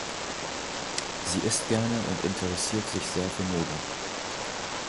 Sie isst gerne und interessiert sich sehr für Mode.